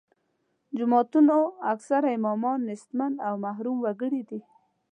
جوماتونو اکثره امامان نیستمن او محروم وګړي دي.